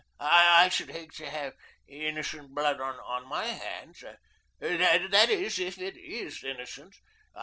I should hate to have innocent blood on my hands that is, if it IS innocent.